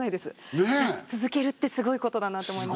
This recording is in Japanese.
続けるってすごいことだなと思います。